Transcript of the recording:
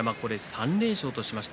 ３連勝としました